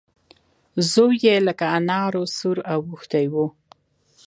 زوی يې لکه انار سور واوښتی و.